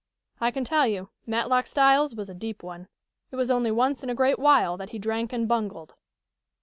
I can tell you, Matlock Styles was a deep one. It was only once in a great while that he drank and bungled."